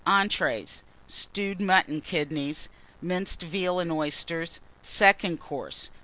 ENTREES. Stewed Mutton Kidneys. Minced Veal and Oysters. SECOND COURSE.